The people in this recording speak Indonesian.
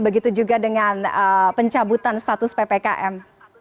begitu juga dengan pencabutan status ppkm